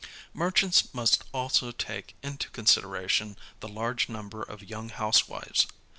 Merchants must also take into consideration the large number of young housewives.